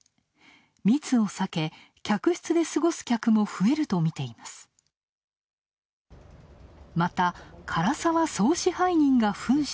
密を避け、客室で過ごす客も増えるとみています。